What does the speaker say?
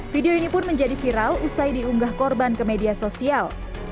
video ini pun menjadi viral usai diunggah korban ke media sosial